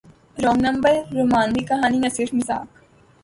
wrong number رومانوی کہانی یا صرف مذاق